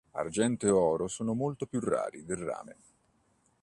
Argento e oro sono molto più rari del rame.